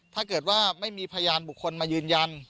ถ้าเกิดว่าไม่มีพยานบุคคลมายืนยัน